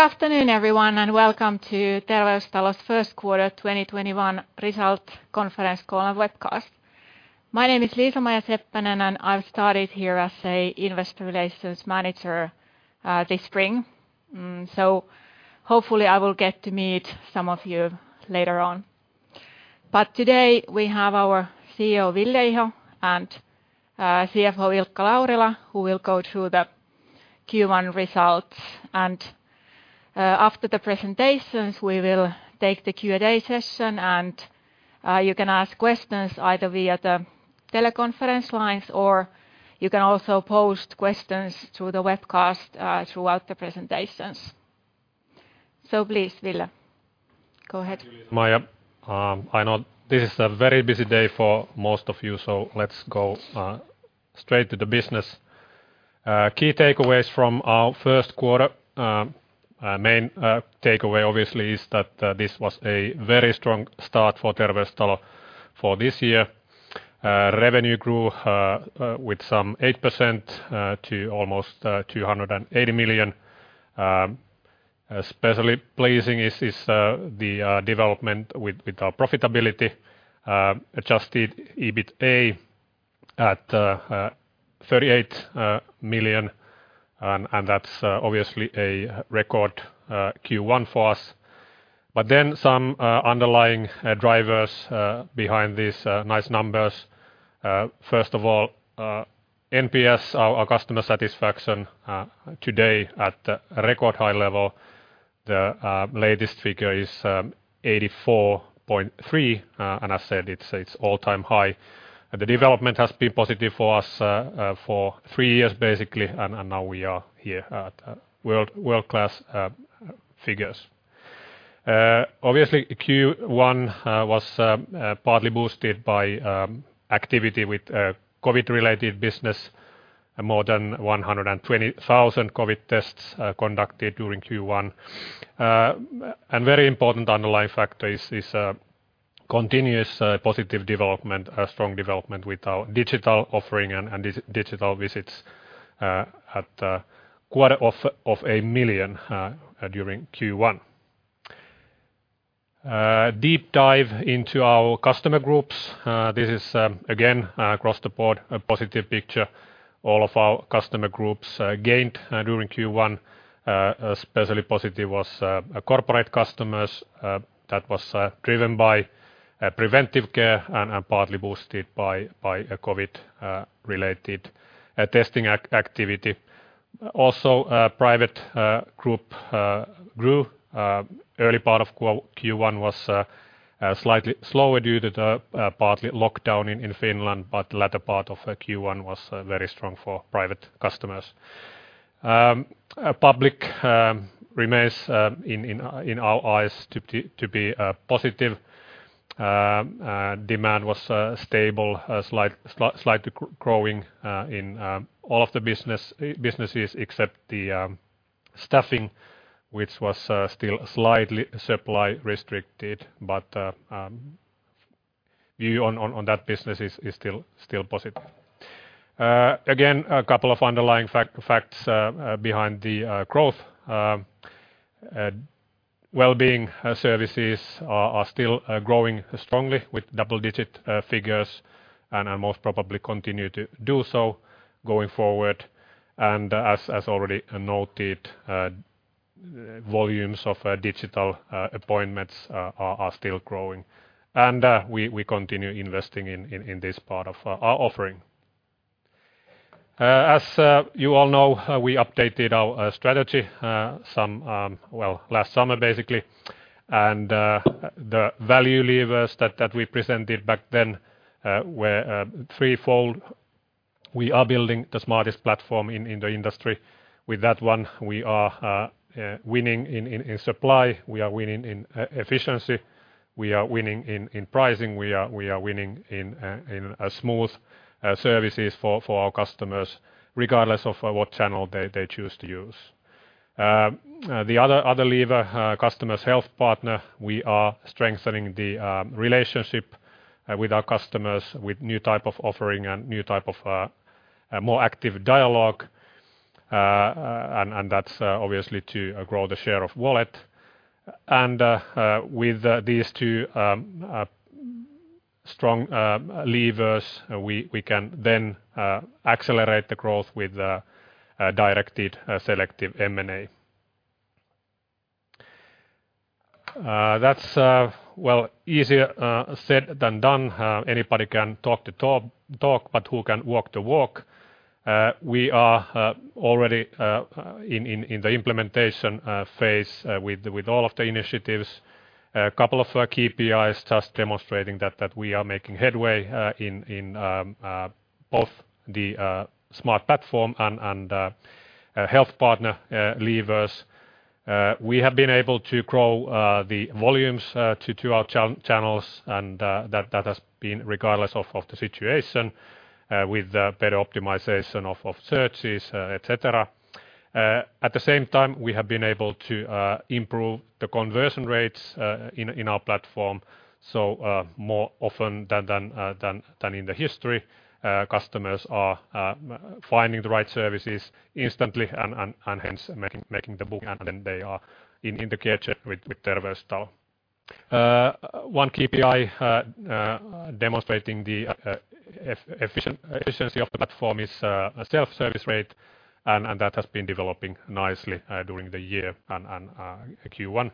Good afternoon, everyone, and welcome to Terveystalo's first quarter 2021 results conference call and webcast. My name is Liisa-Maija Seppänen, and I've started here as a Investor Relations Manager this spring. Hopefully I will get to meet some of you later on. Today we have our CEO, Ville Iho, and CFO, Ilkka Laurila, who will go through the Q1 results. After the presentations, we will take the Q&A session and you can ask questions either via the teleconference lines or you can also post questions to the webcast throughout the presentations. Please, Ville, go ahead. Thank you, Liisa-Maija. I know this is a very busy day for most of you, so let's go straight to the business. Key takeaways from our first quarter. Main takeaway, obviously, is that this was a very strong start for Terveystalo for this year. Revenue grew with some 8% to almost 280 million. Especially pleasing is the development with our profitability. Adjusted EBITA at 38 million, and that's obviously a record Q1 for us. Some underlying drivers behind these nice numbers. First of all, NPS, our customer satisfaction today at a record high level. The latest figure is 84.3, and I said it's all-time high. The development has been positive for us for three years, basically, and now we are here at world-class figures. Obviously, Q1 was partly boosted by activity with COVID-related business, and more than 120,000 COVID tests conducted during Q1. Very important underlying factor is this continuous positive development, strong development with our digital offering and digital visits at 250,000 during Q1. Deep dive into our customer groups. This is again, across the board, a positive picture. All of our customer groups gained during Q1. Especially positive was corporate customers that was driven by preventive care and partly boosted by COVID-related testing activity. Private group grew. Early part of Q1 was slightly slower due to partly lockdown in Finland, but the latter part of Q1 was very strong for private customers. Public remains in our eyes to be positive. Demand was stable, slightly growing in all of the businesses except the staffing, which was still slightly supply restricted, but view on that business is still positive. A couple of underlying facts behind the growth. Well-being services are still growing strongly with double-digit figures are most probably continue to do so going forward. As already noted, volumes of digital appointments are still growing, and we continue investing in this part of our offering. As you all know, we updated our strategy last summer, basically, the value levers that we presented back then were threefold. We are building the smartest platform in the industry. With that one, we are winning in supply, we are winning in efficiency, we are winning in pricing, we are winning in smooth services for our customers, regardless of what channel they choose to use. The other lever, Customer Health Partner, we are strengthening the relationship with our customers with new type of offering and new type of more active dialogue, that's obviously to grow the share of wallet. With these two strong levers, we can then accelerate the growth with directed selective M&A. That's easier said than done. Anybody can talk the talk, but who can walk the walk? We are already in the implementation phase with all of the initiatives. A couple of KPIs just demonstrating that we are making headway in both the smart platform and health partner levers. We have been able to grow the volumes to our channels, and that has been regardless of the situation with better optimization of searches, et cetera. At the same time, we have been able to improve the conversion rates in our platform. More often than in the history, customers are finding the right services instantly and hence making the booking, and then they are in the care chain with Terveystalo. One KPI demonstrating the efficiency of the platform is a self-service rate, and that has been developing nicely during the year, and Q1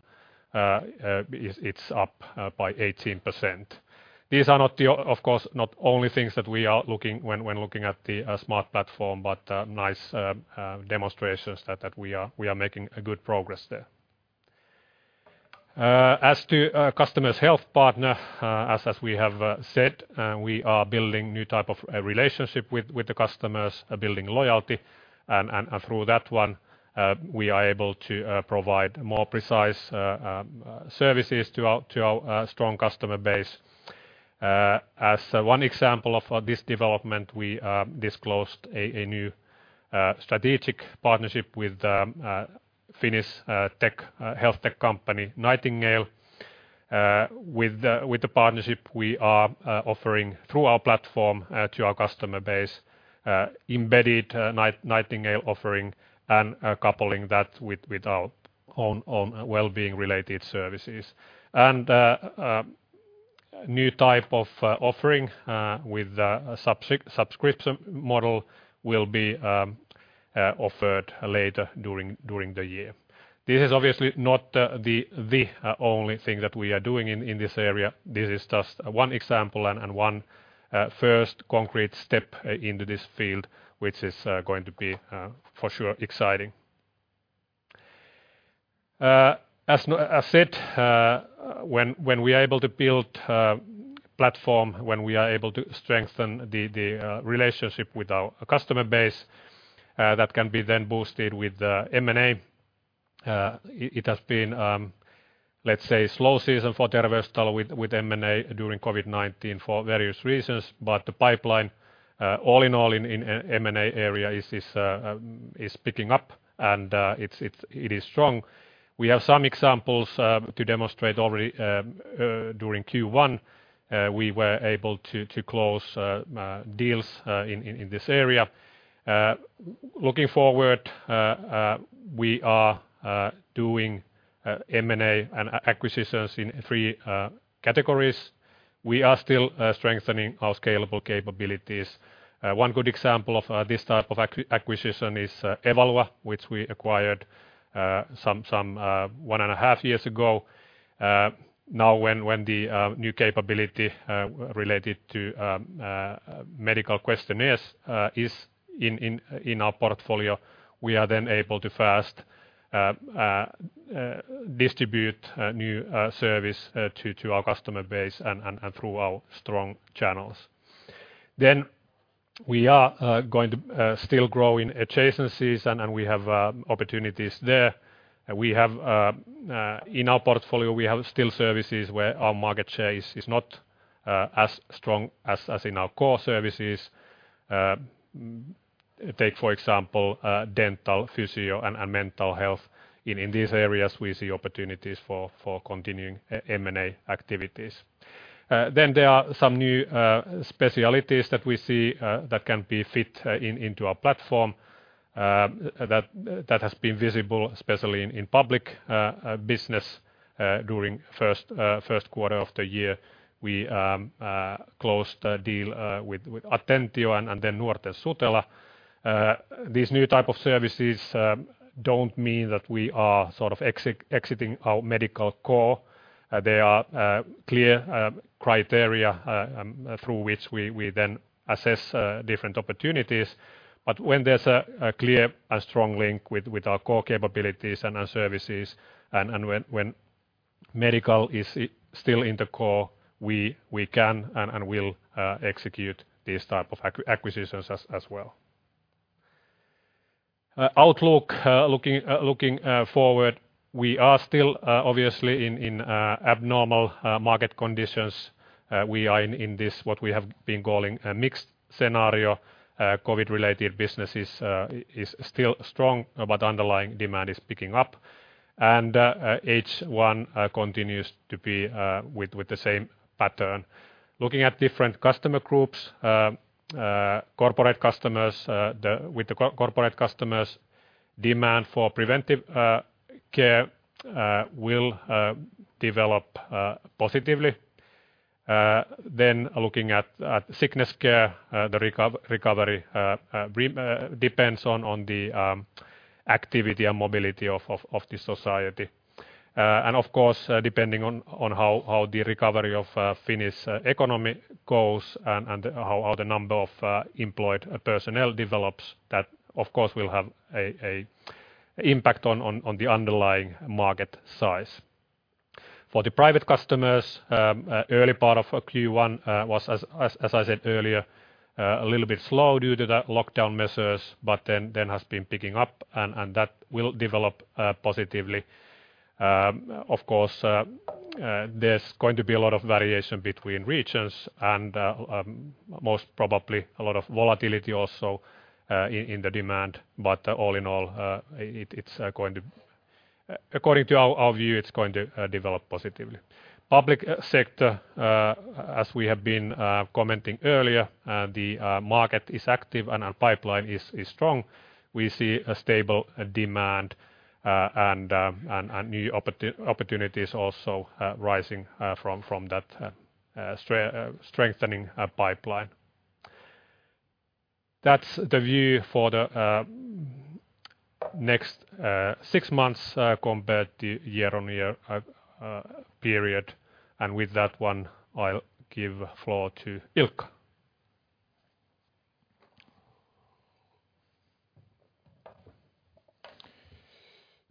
it's up by 18%. These are, of course, not only things that we are looking at when looking at the smart platform, but nice demonstrations that we are making good progress there. As to customers' health partner, as we have said, we are building a new type of relationship with the customers, building loyalty, and through that one, we are able to provide more precise services to our strong customer base. As one example of this development, we disclosed a new strategic partnership with Finnish health tech company, Nightingale. With the partnership we are offering through our platform to our customer base embedded Nightingale offering and coupling that with our own well-being related services. A new type of offering with a subscription model will be offered later during the year. This is obviously not the only thing that we are doing in this area. This is just one example and one first concrete step into this field, which is going to be for sure exciting. As I said when we are able to build a platform, when we are able to strengthen the relationship with our customer base, that can be then boosted with M&A. It has been, let's say, slow season for Terveystalo with M&A during COVID-19 for various reasons, but the pipeline, all in all, in M&A area is picking up and it is strong. We have some examples to demonstrate already during Q1 we were able to close deals in this area. Looking forward, we are doing M&A and acquisitions in three categories. We are still strengthening our scalable capabilities. One good example of this type of acquisition is Evalua, which we acquired some 1.5 Years ago. Now when the new capability related to medical questionnaires is in our portfolio, we are then able to first distribute new service to our customer base and through our strong channels. We are going to still grow in adjacencies and we have opportunities there. In our portfolio, we have still services where our market share is not as strong as in our core services. Take, for example, dental, physio, and mental health. In these areas, we see opportunities for continuing M&A activities. There are some new specialties that we see that can be fit into our platform that has been visible, especially in public business during first quarter of the year. We closed a deal with Attendo and then Nuorten Sutela. These new type of services don't mean that we are exiting our medical core. There are clear criteria through which we then assess different opportunities. When there's a clear and strong link with our core capabilities and our services, and when medical is still in the core, we can and will execute these type of acquisitions as well. Outlook looking forward, we are still obviously in abnormal market conditions. We are in this, what we have been calling a mixed scenario. COVID-related business is still strong, but underlying demand is picking up. H1 continues to be with the same pattern. Looking at different customer groups, with the corporate customers, demand for preventive care will develop positively. Looking at sickness care the recovery depends on the activity and mobility of the society. Of course, depending on how the recovery of Finnish economy goes and how the number of employed personnel develops, that of course will have an impact on the underlying market size. For the private customers early part of Q1 was, as I said earlier, a little bit slow due to the lockdown measures, has been picking up, that will develop positively. Of course, there's going to be a lot of variation between regions and most probably a lot of volatility also in the demand. All in all according to our view, it's going to develop positively. Public sector as we have been commenting earlier the market is active and our pipeline is strong. We see a stable demand and new opportunities also arising from that strengthening pipeline. That's the view for the next six months compared to year-on-year period. With that one, I'll give floor to Ilkka.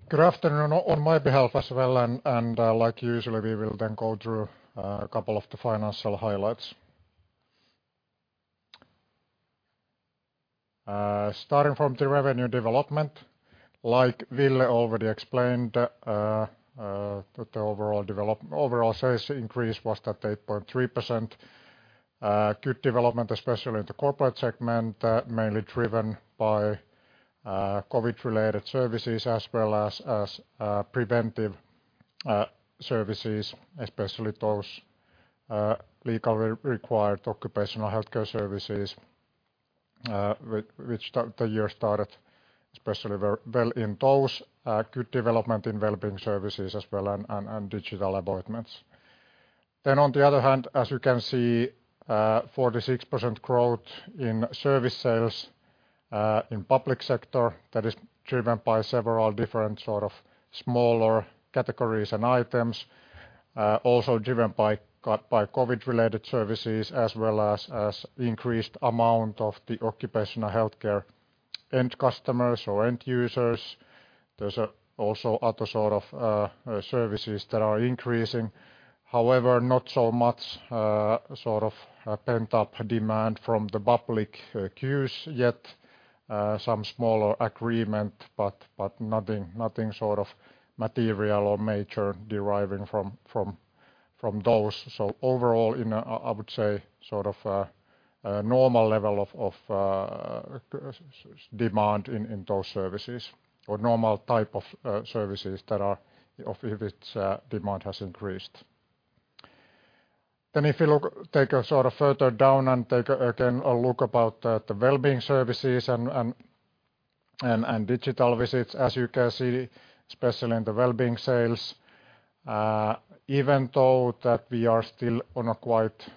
Good afternoon on my behalf as well. Like usually, we will then go through a couple of the financial highlights. Starting from the revenue development, like Ville already explained, that the overall sales increase was at 8.3%. Good development, especially in the corporate segment, mainly driven by COVID-related services as well as preventive services, especially those legally required occupational healthcare services, which the year started especially well in those. Good development in wellbeing services as well and digital appointments. On the other hand, as you can see, 46% growth in service sales in public sector that is driven by several different smaller categories and items. Also driven by COVID-related services, as well as increased amount of the occupational healthcare end customers or end users. There's also other services that are increasing. However, not so much pent-up demand from the public queues yet. Some smaller agreement, nothing material or major deriving from those. Overall, I would say normal level of demand in those services or normal type of services of which demand has increased. If you take us further down and take again a look about the wellbeing services and digital visits. As you can see, especially in the wellbeing sales, even though that we are still on a quite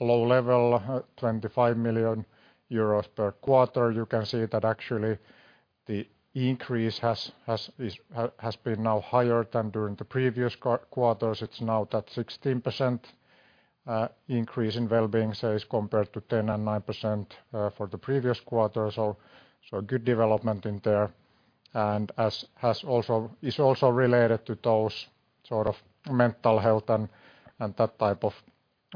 low level, 25 million euros per quarter, you can see that actually the increase has been now higher than during the previous quarters. It's now that 16% increase in wellbeing sales, compared to 10% and 9% for the previous quarter. Good development in there. Is also related to those mental health and that type of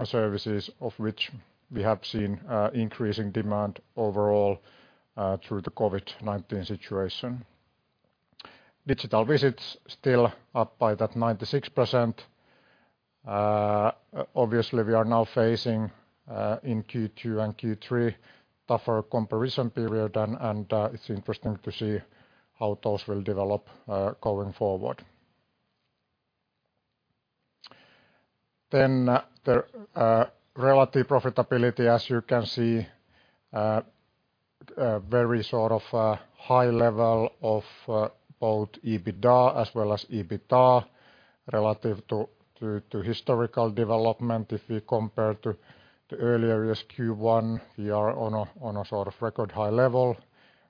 services of which we have seen increasing demand overall through the COVID-19 situation. Digital visits still up by that 96%. Obviously, we are now facing, in Q2 and Q3, tougher comparison period. It's interesting to see how those will develop going forward. The relative profitability, as you can see, very high level of both EBITDA as well as EBITA relative to historical development. If we compare to the earlier Q1, we are on a record high level.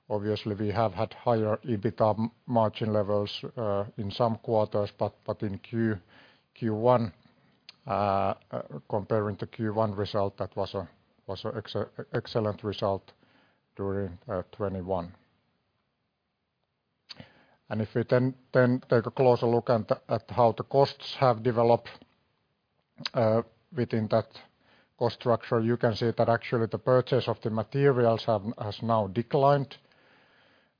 Obviously, we have had higher EBITA margin levels in some quarters. In Q1, comparing the Q1 result, that was an excellent result during 2021. If we then take a closer look at how the costs have developed within that cost structure, you can see that actually the purchase of the materials has now declined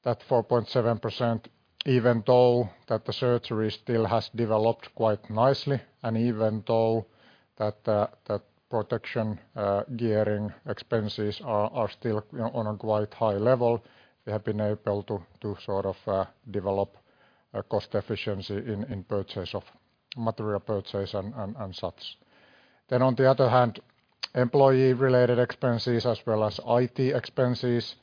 that 4.7%, even though that the surgery still has developed quite nicely, and even though that protection gearing expenses are still on a quite high level. We have been able to develop cost efficiency in material purchase and such. On the other hand, employee-related expenses as well as IT expenses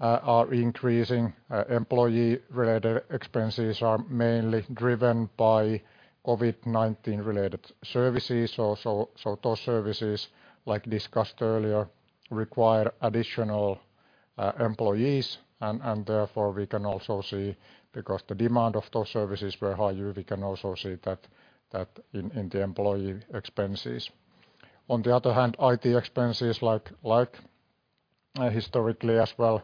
are increasing. Employee-related expenses are mainly driven by COVID-19-related services. Those services, like discussed earlier, require additional employees, and therefore we can also see because the demand of those services were higher, we can also see that in the employee expenses. On the other hand, IT expenses, like historically as well,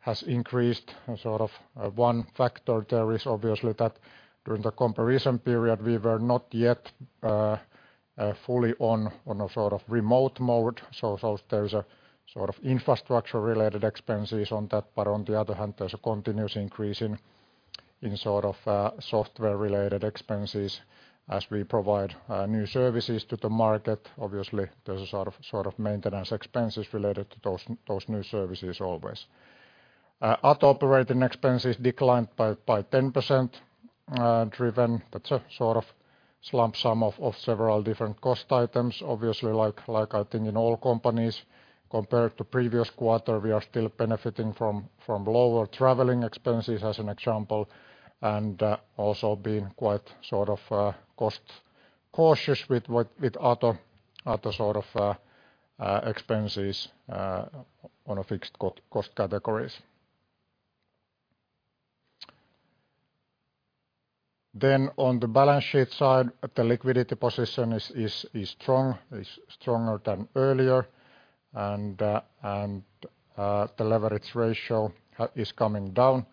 has increased. One factor there is obviously that during the comparison period, we were not yet fully on a remote mode. There is infrastructure-related expenses on that. On the other hand, there's a continuous increase in software-related expenses as we provide new services to the market. Obviously, there's maintenance expenses related to those new services always. Other operating expenses declined by 10%. That's a lump sum of several different cost items. Obviously, like I think in all companies, compared to previous quarter, we are still benefiting from lower traveling expenses, as an example, and also being quite cost-cautious with other expenses on a fixed cost categories. On the balance sheet side, the liquidity position is stronger than earlier. The leverage ratio is coming down.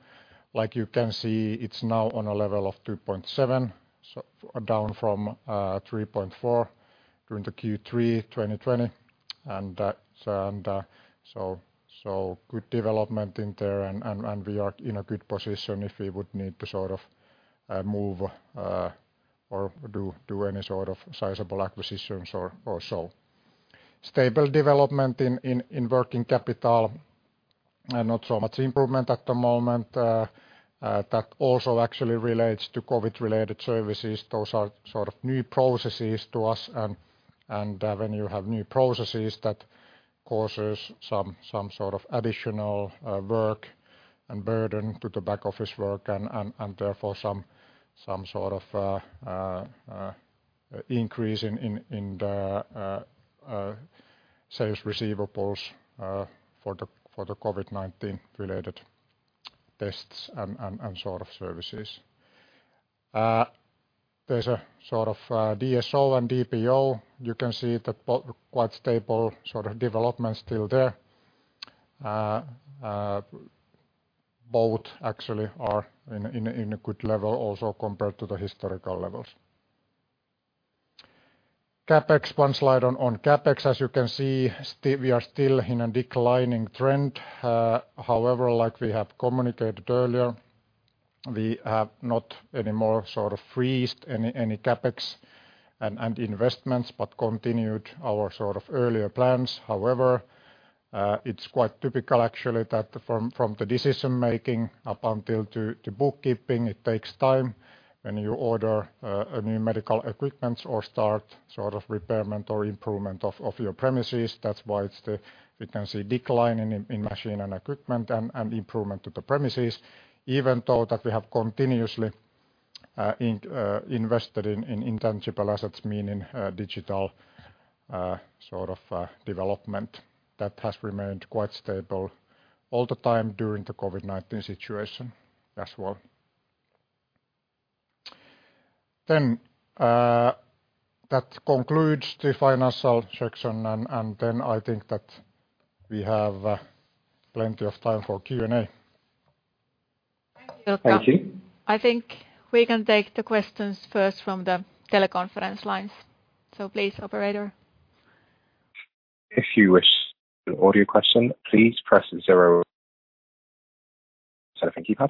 Like you can see, it's now on a level of 2.7x, so down from 3.4x during the Q3 2020. Good development in there and we are in a good position if we would need to sort of move or do any sort of sizable acquisitions or so. Stable development in working capital, and not so much improvement at the moment. That also actually relates to COVID-related services. Those are sort of new processes to us, and when you have new processes, that causes some sort of additional work and burden to the back-office work and therefore some sort of increase in the sales receivables for the COVID-19 related tests and sort of services. There's a sort of DSO and DPO. You can see that both are quite stable, sort of development still there. Both actually are in a good level also compared to the historical levels. CapEx, one slide on CapEx. As you can see, we are still in a declining trend. However, like we have communicated earlier, we have not anymore sort of freezed any CapEx and investments, but continued our sort of earlier plans. However, it's quite typical actually that from the decision-making up until to bookkeeping, it takes time when you order new medical equipment or start sort of repairment or improvement of your premises. That's why we can see decline in machine and equipment and improvement to the premises, even though that we have continuously invested in intangible assets, meaning digital sort of development that has remained quite stable all the time during the COVID-19 situation as well. That concludes the financial section, I think that we have plenty of time for Q&A. Thank you. Thank you. I think we can take the questions first from the teleconference lines. Please, operator. If you wish to audio your question, please press zero on your telephone keypad.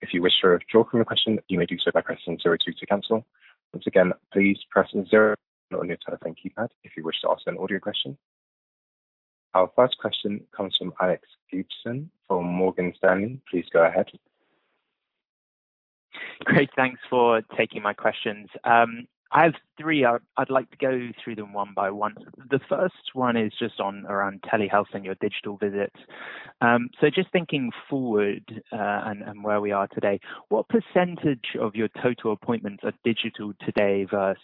If you wish to audio a question, you may do so by pressing zero, two to cancel. Once again, please press zero on your telephone keypad if you wish to ask an audio question. Our first question comes from Alex Gibson from Morgan Stanley. Please go ahead. Great, thanks for taking my questions. I have three. I'd like to go through them one by one. The first one is just on around telehealth and your digital visits. Just thinking forward and where we are today, what percentage of your total appointments are digital today versus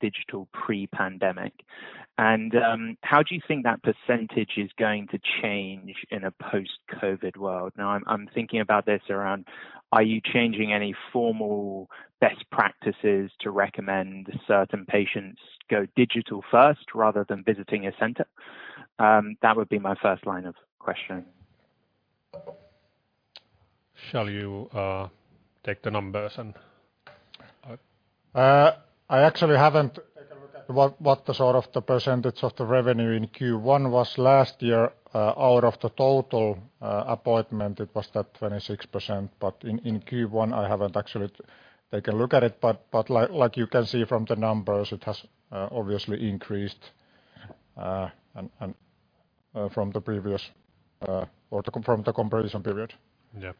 digital pre-pandemic? How do you think that percentage is going to change in a post-COVID world? I'm thinking about this around, are you changing any formal best practices to recommend certain patients go digital first rather than visiting a center? That would be my first line of questioning. Shall you take the numbers and- I actually haven't taken a look at what the sort of the percentage of the revenue in Q1 was last year out of the total appointment, it was that 26%. In Q1, I haven't actually taken a look at it, but like you can see from the numbers, it has obviously increased from the previous or from the comparison period. Yeah.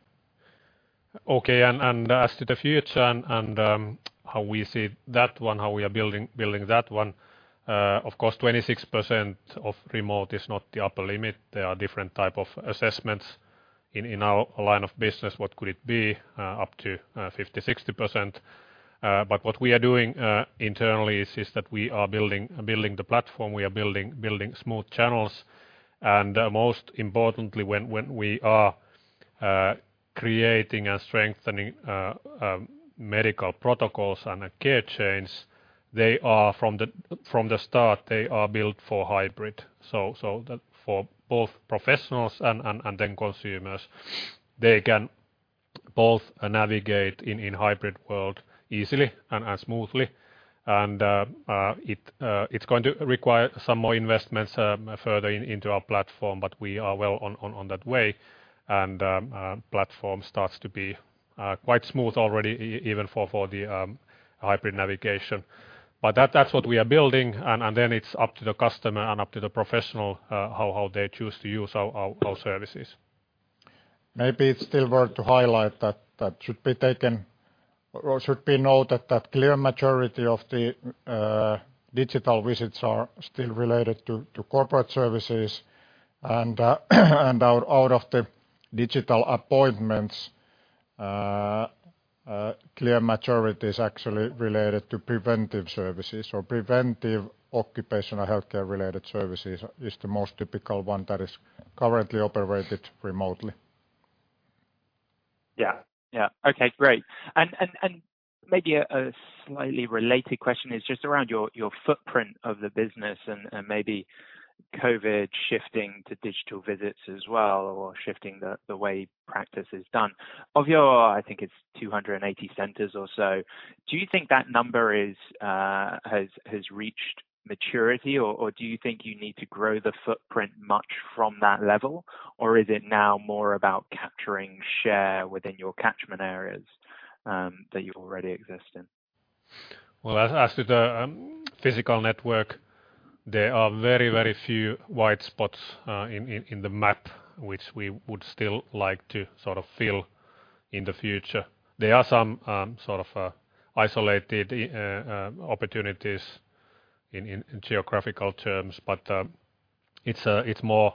Okay, as to the future and how we see that one, how we are building that one, of course, 26% of remote is not the upper limit. There are different type of assessments in our line of business, what could it be? Up to 50%-60%. What we are doing internally is just that we are building the platform, we are building smooth channels. Most importantly, when we are creating and strengthening medical protocols and care chains, from the start, they are built for hybrid. For both professionals and then consumers, they can both navigate in hybrid world easily and smoothly. It's going to require some more investments further into our platform, but we are well on that way, and platform starts to be quite smooth already even for the hybrid navigation. That's what we are building, and then it's up to the customer and up to the professional how they choose to use our services. Maybe it's still worth to highlight that should be taken or should be noted that clear majority of the digital visits are still related to corporate services. Out of the digital appointments. A clear majority is actually related to preventive services or preventive occupational healthcare-related services is the most typical one that is currently operated remotely. Yeah. Okay, great. Maybe a slightly related question is just around your footprint of the business and maybe COVID-19 shifting to digital visits as well, or shifting the way practice is done. Of your, I think it's 280 centers or so, do you think that number has reached maturity, or do you think you need to grow the footprint much from that level? Or is it now more about capturing share within your catchment areas that you already exist in? Well, as to the physical network, there are very few white spots in the map which we would still like to fill in the future. There are some isolated opportunities in geographical terms, but it's more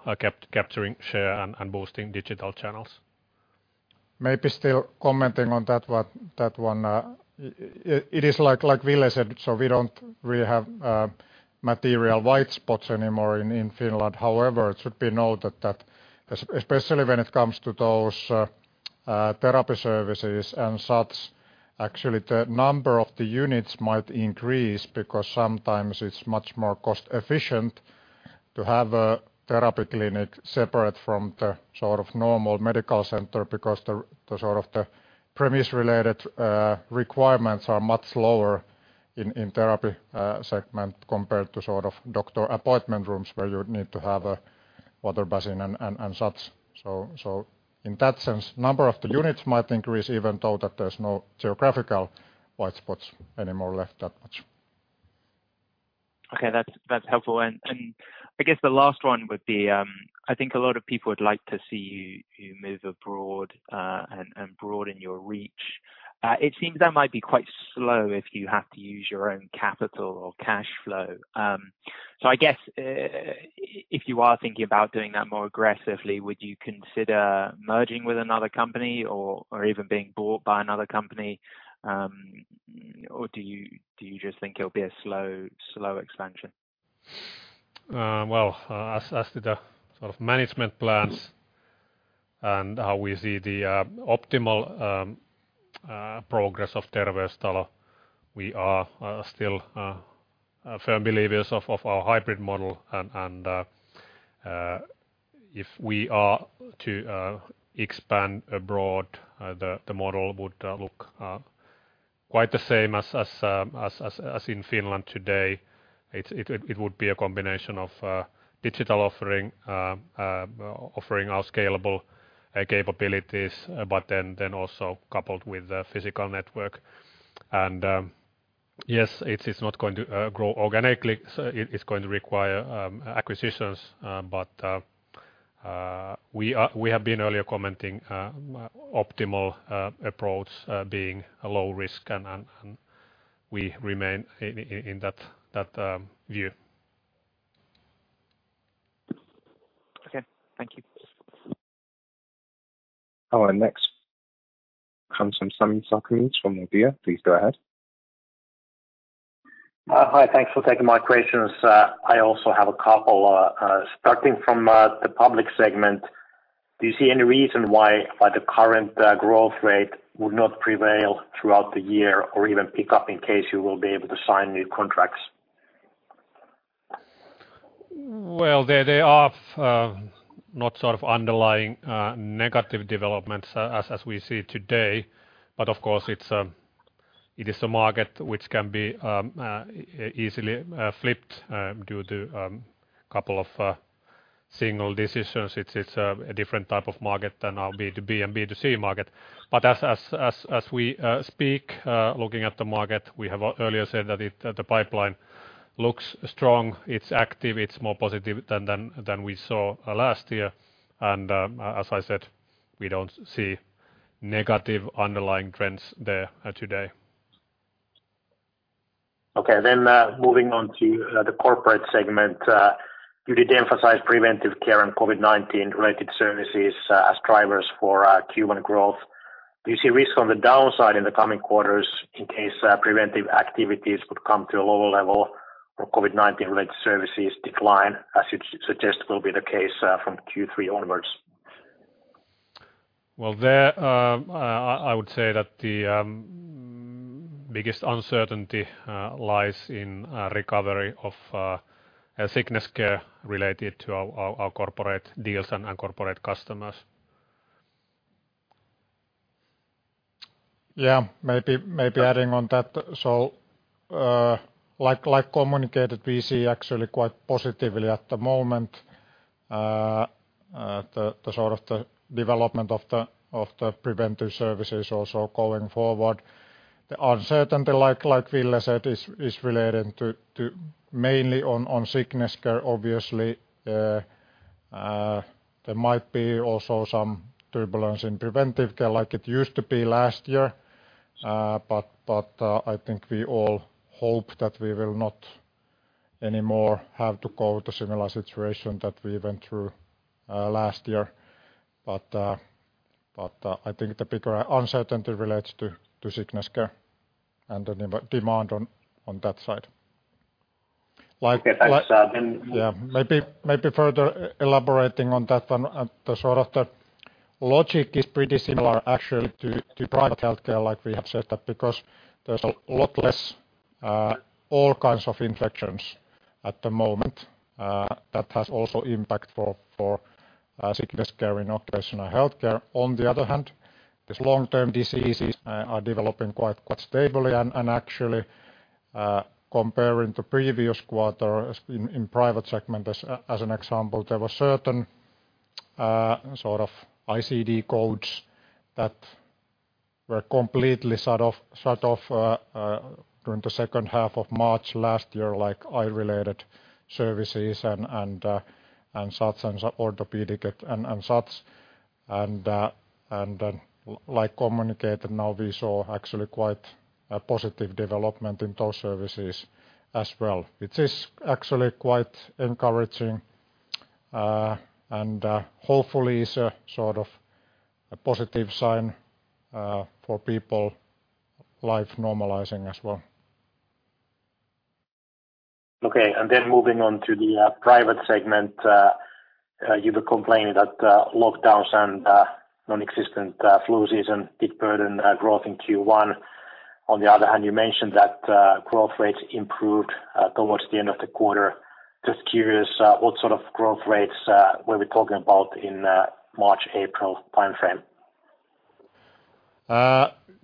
capturing share and boosting digital channels. Maybe still commenting on that one. It is like Ville said, so we don't really have material white spots anymore in Finland. However, it should be noted that especially when it comes to those therapy services and such, actually the number of the units might increase because sometimes it's much more cost-efficient to have a therapy clinic separate from the normal medical center because the premise-related requirements are much lower in therapy segment compared to doctor appointment rooms where you need to have a water basin and such. In that sense, number of the units might increase even though that there's no geographical white spots anymore left that much. Okay. That's helpful. I guess the last one would be, I think a lot of people would like to see you move abroad, and broaden your reach. It seems that might be quite slow if you have to use your own capital or cash flow. I guess if you are thinking about doing that more aggressively, would you consider merging with another company or even being bought by another company? Do you just think it'll be a slow expansion? Well, as to the sort of management plans and how we see the optimal progress of Terveystalo, we are still firm believers of our hybrid model. If we are to expand abroad, the model would look quite the same as in Finland today. It would be a combination of digital offering our scalable capabilities, also coupled with a physical network. Yes, it is not going to grow organically. It is going to require acquisitions. We have been earlier commenting optimal approach being a low risk and we remain in that view. Okay. Thank you. Our next comes from Sami Sarkamies from Nordea. Please go ahead. Hi. Thanks for taking my questions. I also have a couple. Starting from the public segment, do you see any reason why the current growth rate would not prevail throughout the year or even pick up in case you will be able to sign new contracts? They are not sort of underlying negative developments as we see today. Of course, it is a market which can be easily flipped due to couple of single decisions. It's a different type of market than our B2B and B2C market. As we speak, looking at the market, we have earlier said that the pipeline looks strong, it's active, it's more positive than we saw last year. As I said, we don't see negative underlying trends there today. Okay, moving on to the corporate segment. You did emphasize preventive care and COVID-19-related services as drivers for Q1 growth. Do you see risk on the downside in the coming quarters in case preventive activities could come to a lower level or COVID-19-related services decline as you suggest will be the case from Q3 onwards? Well, there I would say that the biggest uncertainty lies in recovery of sickness care related to our corporate deals and our corporate customers. Yeah, maybe adding on that. Like communicated, we see actually quite positively at the moment the sort of the development of the preventive services also going forward. The uncertainty, like Ville said, is relating to mainly on sickness care obviously. There might be also some turbulence in preventive care like it used to be last year. I think we all hope that we will not anymore have to go to similar situation that we went through last year. I think the bigger uncertainty relates to sickness care and the demand on that side. Okay, thanks. Yeah. Maybe further elaborating on that, the logic is pretty similar actually to private healthcare, like we have said that because there's a lot less all kinds of infections at the moment. That has also impact for sickness care in occupational healthcare. On the other hand, these long-term diseases are developing quite stably and actually, comparing to previous quarter in private segment as an example, there were certain ICD codes that were completely shut off during the second half of March last year, like eye-related services and such, and orthopedic and such. Like communicated now, we saw actually quite a positive development in those services as well, which is actually quite encouraging, and hopefully is a positive sign for people, life normalizing as well. Okay, moving on to the private segment. You were complaining that lockdowns and non-existent flu season did burden growth in Q1. On the other hand, you mentioned that growth rate improved towards the end of the quarter. Just curious, what sort of growth rates are we talking about in March, April timeframe?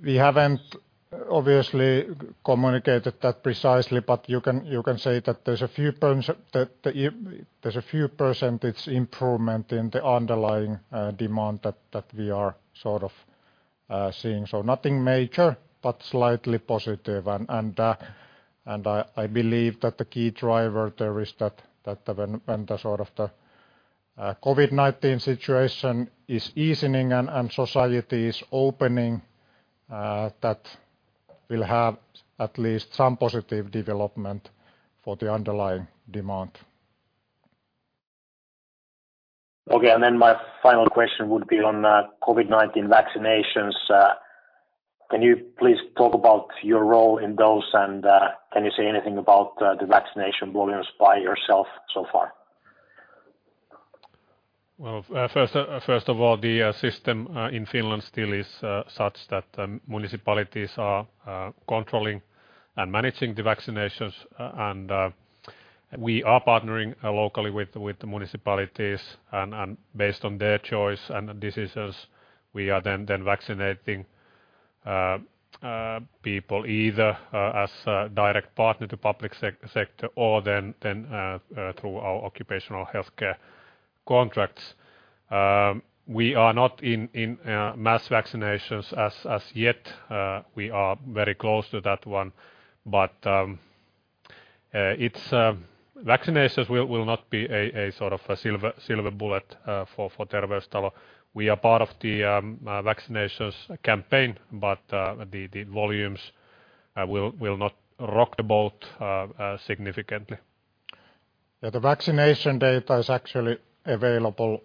We haven't obviously communicated that precisely, but you can say that there's a few percentage improvement in the underlying demand that we are seeing. Nothing major, but slightly positive. I believe that the key driver there is that when the COVID-19 situation is easing and society is opening that will have at least some positive development for the underlying demand. Okay, my final question would be on COVID-19 vaccinations. Can you please talk about your role in those and can you say anything about the vaccination volumes by yourself so far? First of all, the system in Finland still is such that municipalities are controlling and managing the vaccinations. We are partnering locally with the municipalities, and based on their choice and decisions, we are then vaccinating people either as a direct partner to public sector or then through our occupational healthcare contracts. We are not in mass vaccinations as yet. We are very close to that one. Vaccinations will not be a sort of silver bullet for Terveystalo. We are part of the vaccinations campaign, but the volumes will not rock the boat significantly. Yeah, the vaccination data is actually available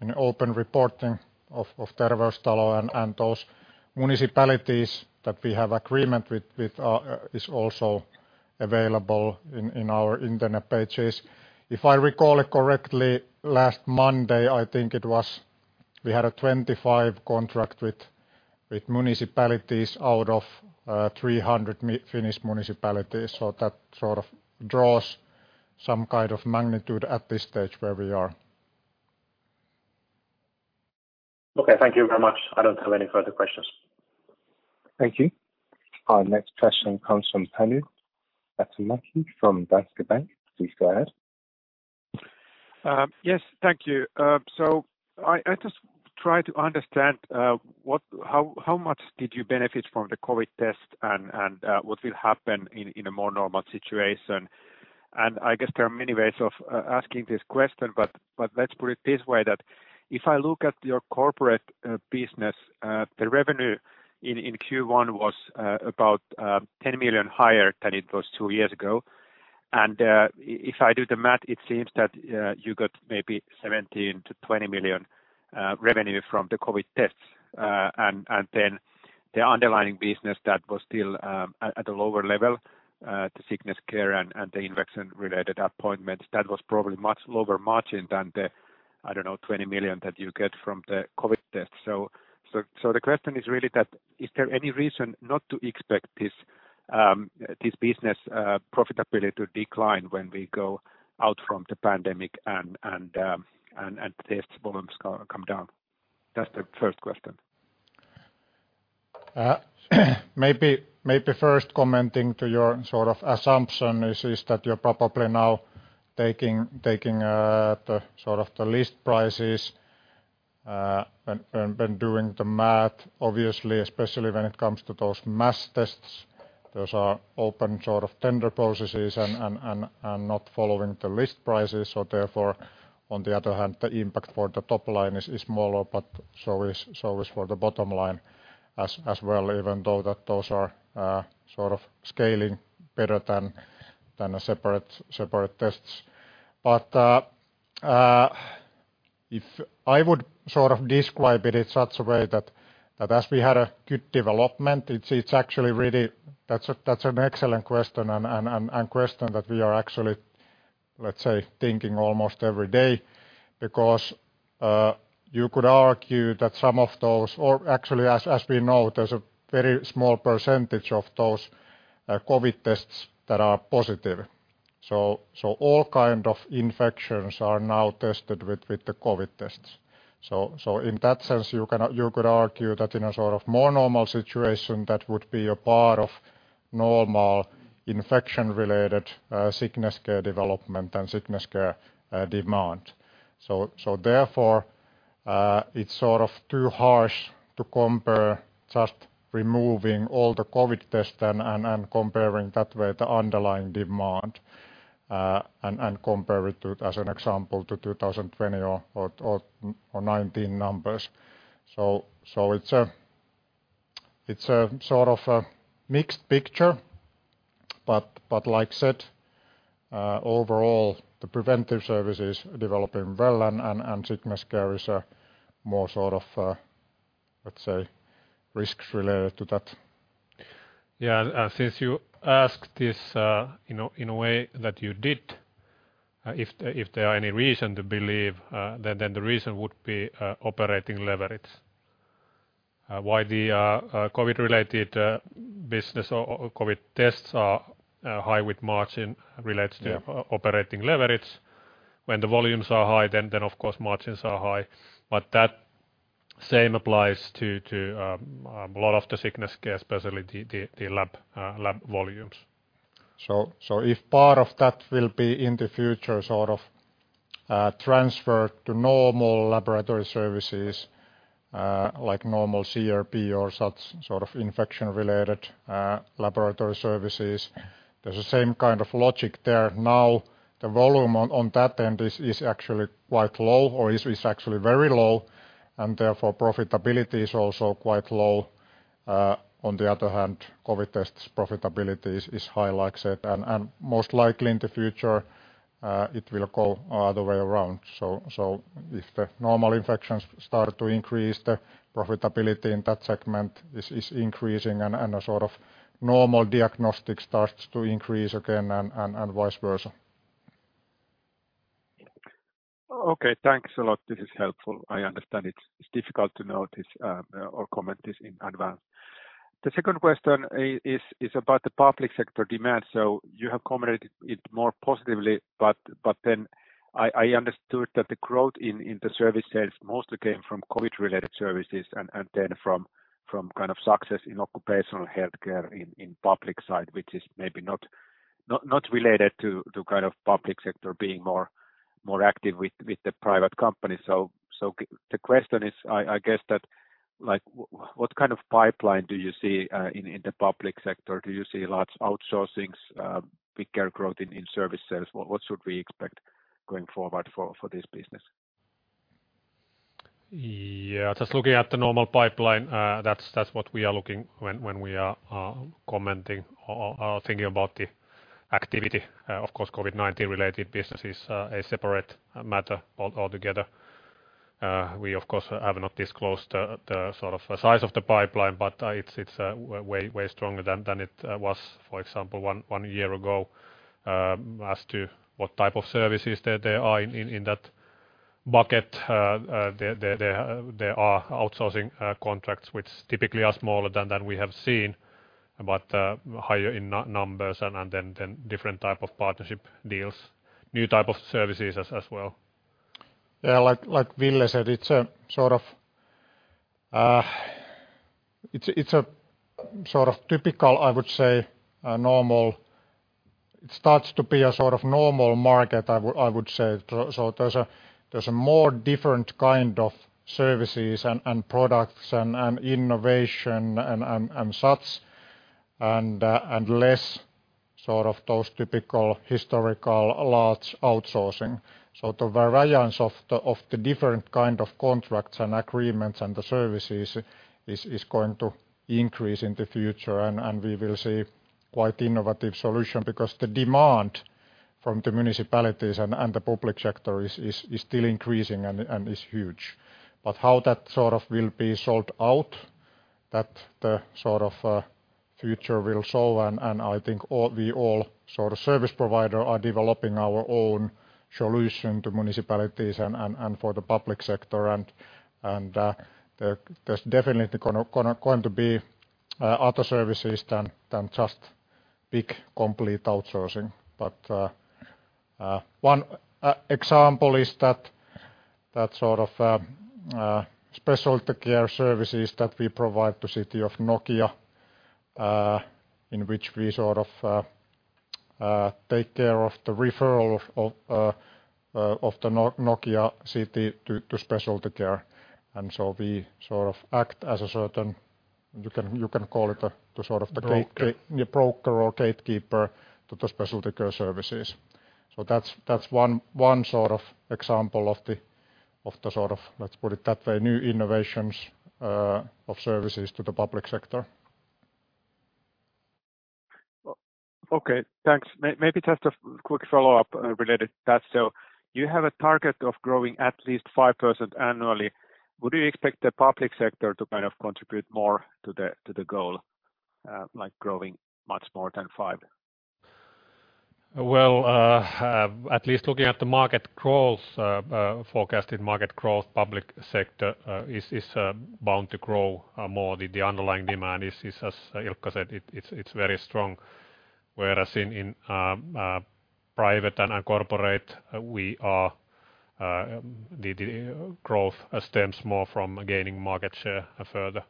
in open reporting of Terveystalo, and those municipalities that we have agreement with is also available in our internet pages. If I recall it correctly, last Monday, I think it was, we had a 25 contract with municipalities out of 300 Finnish municipalities. That sort of draws some kind of magnitude at this stage where we are. Okay. Thank you very much. I don't have any further questions. Thank you. Our next question comes from Panu Laitinmäki from Danske Bank. Please go ahead. Yes. Thank you. I just try to understand how much did you benefit from the COVID test and what will happen in a more normal situation. I guess there are many ways of asking this question, but let's put it this way, that if I look at your corporate business, the revenue in Q1 was about 10 million higher than it was two years ago. If I do the math, it seems that you got maybe 17 million to 20 million revenue from the COVID tests. Then the underlying business that was still at a lower level, the sickness care and the infection-related appointments, that was probably much lower margin than the, I don't know, 20 million that you get from the COVID test. The question is really that, is there any reason not to expect this business profitability to decline when we go out from the pandemic and test volumes come down? That's the first question. Maybe first commenting to your assumption is that you're probably now taking the list prices when doing the math, obviously, especially when it comes to those mass tests. Those are open tender processes and not following the list prices. Therefore, on the other hand, the impact for the top line is smaller, but so is for the bottom line as well, even though those are scaling better than separate tests. If I would describe it in such a way that as we had a good development, that's an excellent question, and question that we are actually, let's say, thinking almost every day, because you could argue that some of those, or actually, as we know, there's a very small percentage of those COVID tests that are positive. All kind of infections are now tested with the COVID tests. In that sense, you could argue that in a more normal situation, that would be a part of normal infection-related sickness care development and sickness care demand. Therefore, it's too harsh to compare, just removing all the COVID-19 test and comparing that with the underlying demand, and compare it to, as an example, to 2020 or 2019 numbers. It's a mixed picture, but like I said, overall, the preventive services are developing well, and sickness care is a more, let's say, risks related to that. Since you asked this in a way that you did, if there are any reason to believe, then the reason would be operating leverage. Why the COVID-related business or COVID tests are high margin. Yeah To operating leverage. When the volumes are high, then of course margins are high. That same applies to a lot of the sickness care, especially the lab volumes. If part of that will be in the future transferred to normal laboratory services, like normal CRP or such infection-related laboratory services, there's the same kind of logic there. The volume on that end is actually quite low, or is actually very low, and therefore profitability is also quite low. On the other hand, COVID tests profitability is high, like I said. Most likely in the future, it will go other way around. If the normal infections start to increase, the profitability in that segment is increasing, and a sort of normal diagnostic starts to increase again, and vice versa. Thanks a lot. This is helpful. I understand it's difficult to know this or comment this in advance. The second question is about the public sector demand. You have commented it more positively, but then I understood that the growth in the service sales mostly came from COVID-19-related services and then from kind of success in occupational healthcare in public side, which is maybe not related to kind of public sector being more active with the private company. The question is, I guess that, what kind of pipeline do you see in the public sector? Do you see large outsourcings, bigger growth in service sales? What should we expect going forward for this business? Yeah. Just looking at the normal pipeline, that's what we are looking when we are commenting or thinking about the activity. Of course, COVID-19-related business is a separate matter altogether. We, of course, have not disclosed the sort of size of the pipeline, but it's way stronger than it was, for example, one year ago. As to what type of services there are in that bucket, there are outsourcing contracts which typically are smaller than we have seen, but higher in numbers, and then different type of partnership deals, new type of services as well. Yeah. Like Ville said, it's a sort of typical, I would say, normal market, I would say. There's a more different kind of services and products and innovation and such, and less sort of those typical historical large outsourcing. The variance of the different kind of contracts and agreements and the services is going to increase in the future, and we will see quite innovative solution, because the demand from the municipalities and the public sector is still increasing and is huge. How that sort of will be sort out, that the sort of future will show, and I think we all, sort of service provider, are developing our own solution to municipalities and for the public sector. There's definitely going to be other services than just big complete outsourcing. One example is that sort of specialty care services that we provide to City of Nokia, in which we sort of take care of the referral of the Nokia city to specialty care. We sort of act as a certain. Broker yeah, broker or gatekeeper to the specialty care services. That's one sort of example of the, let's put it that way, new innovations of services to the public sector. Okay, thanks. Maybe just a quick follow-up related to that. You have a target of growing at least 5% annually. Would you expect the public sector to contribute more to the goal, like growing much more than 5%? Well, at least looking at the forecasted market growth, public sector is bound to grow more. The underlying demand is, as Ilkka said, very strong. Whereas in private and corporate, the growth stems more from gaining market share further.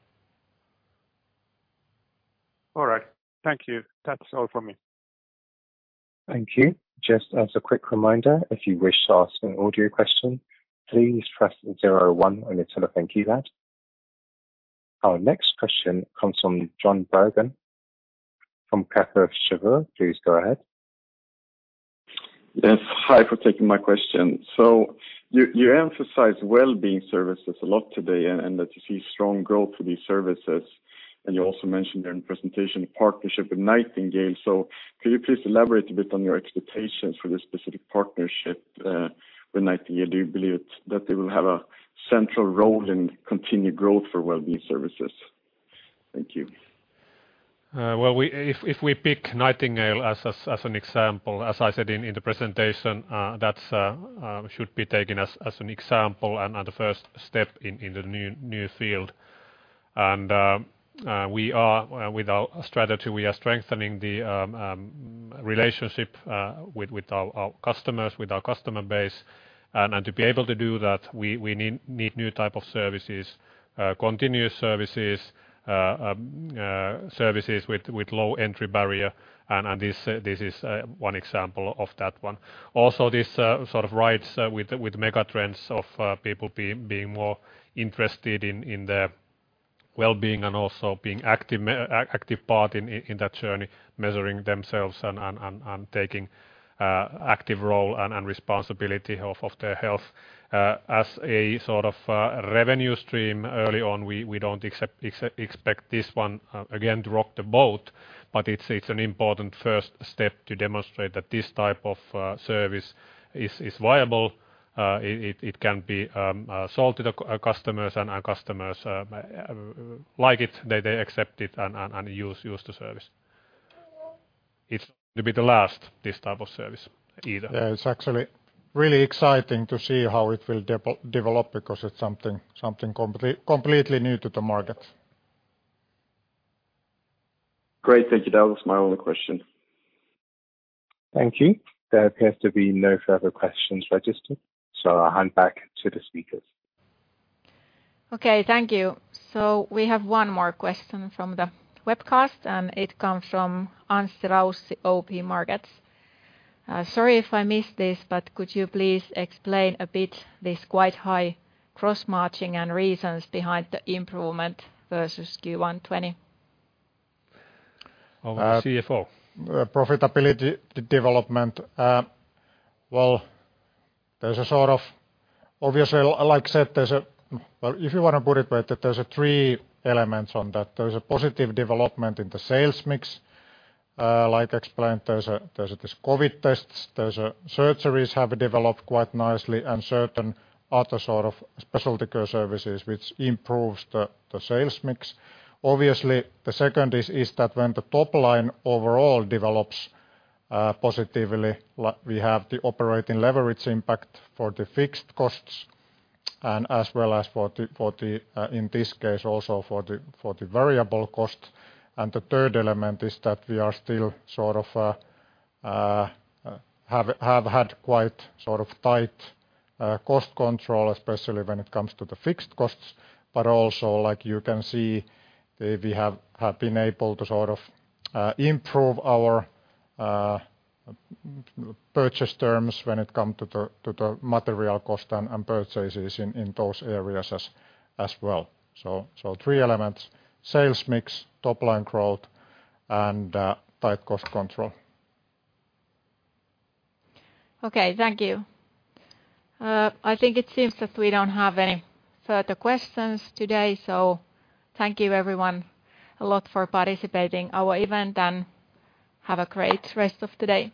All right. Thank you. That's all from me. Thank you. Just as a quick reminder, if you wish to ask an audio question, please press zero, one on your telephone keypad. Our next question comes from Jon Berggren from Kepler Cheuvreux. Please go ahead. Yes, hi, for taking my question. You emphasize wellbeing services a lot today, and that you see strong growth for these services, and you also mentioned during presentation partnership with Nightingale. Can you please elaborate a bit on your expectations for this specific partnership with Nightingale? Do you believe that they will have a central role in continued growth for wellbeing services? Thank you. If we pick Nightingale as an example, as I said in the presentation, that should be taken as an example and the first step in the new field. With our strategy, we are strengthening the relationship with our customers, with our customer base. To be able to do that, we need new type of services, continuous services with low-entry barrier. This is one example of that one. Also, this sort of rides with megatrends of people being more interested in their wellbeing and also being active part in that journey, measuring themselves and taking active role and responsibility of their health as a sort of revenue stream early on. We don't expect this one, again, to rock the boat, but it's an important first step to demonstrate that this type of service is viable. It can be sold to the customers, and our customers like it. They accept it and use the service. It's not going to be the last, this type of service, either. Yeah, it's actually really exciting to see how it will develop because it's something completely new to the market. Great. Thank you. That was my only question. Thank you. There appears to be no further questions registered, so I'll hand back to the speakers. Okay, thank you. We have one more question from the webcast, and it comes from Anssi Raussi, OP Markets. Sorry if I missed this, but could you please explain a bit this quite high gross margin and reasons behind the improvement versus Q1 2020? Our CFO. Profitability development. Well, obviously, if you want to put it better, there's three elements on that. There's a positive development in the sales mix. Like explained, there's these COVID tests. There's surgeries have developed quite nicely and certain other sort of specialty care services which improves the sales mix. Obviously, the second is that when the top-line overall develops positively, we have the operating leverage impact for the fixed costs and as well as in this case also for the variable cost. The third element is that we have had quite tight cost control, especially when it comes to the fixed costs. Also, like you can see, we have been able to improve our purchase terms when it come to the material cost and purchases in those areas as well. Three elements, sales mix, top-line growth, and tight cost control. Okay. Thank you. I think it seems that we don't have any further questions today, so thank you everyone a lot for participating our event, and have a great rest of the day